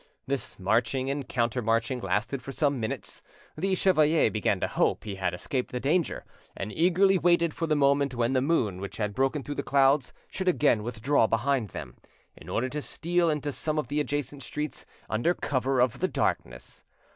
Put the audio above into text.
This marching and counter marching lasted for some minutes; the chevalier began to hope he had escaped the danger, and eagerly waited for the moment when the moon which had broken through the clouds should again withdraw behind them, in order to steal into some of the adjacent streets under cover of the darkness.